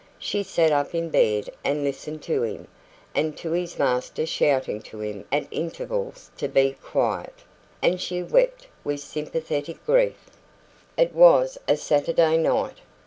She sat up in bed and listened to him, and to his master shouting to him at intervals to "be quiet"; and she wept with sympathetic grief. It was a Saturday night.